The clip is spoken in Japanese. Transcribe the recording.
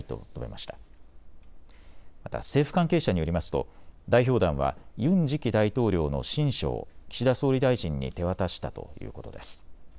また政府関係者によりますと代表団はユン次期大統領の親書を岸田総理大臣に手渡したということです。